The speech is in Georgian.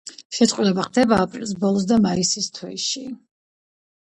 შეწყვილება ხდება აპრილის ბოლოს და მაისის თვეში.